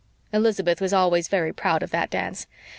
Elizabeth was always very proud of that dance.